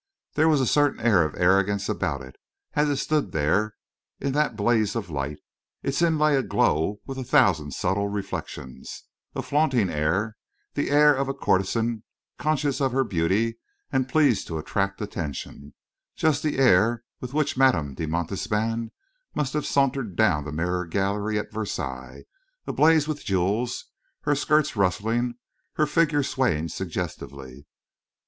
There was a certain air of arrogance about it, as it stood there in that blaze of light, its inlay aglow with a thousand subtle reflections; a flaunting air, the air of a courtesan conscious of her beauty and pleased to attract attention just the air with which Madame de Montespan must have sauntered down the mirror gallery at Versailles, ablaze with jewels, her skirts rustling, her figure swaying suggestively.